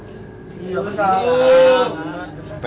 pasti dia minta bantuan dari pak r t